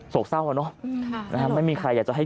กเศร้าอ่ะเนอะไม่มีใครอยากจะให้